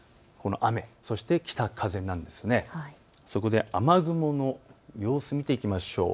雨雲の様子を見ていきましょう。